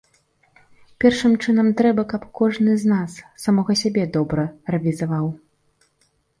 Першым чынам трэба, каб кожны з нас самога сябе добра рэвізаваў.